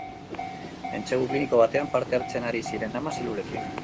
Entsegu kliniko batean parte hartzen ari ziren ama zelulekin.